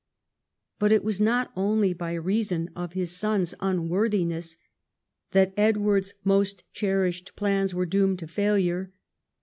But it was not only by reason of his son's unworthiness that Edward's most cherished plans were doomed to failure.